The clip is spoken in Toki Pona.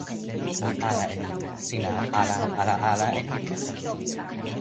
mi ala e nimi. sina ala ala ala e nimi?